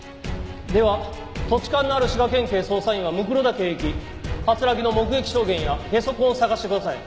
では土地勘のある滋賀県警捜査員は骸岳へ行き木の目撃証言や下足痕を捜してください。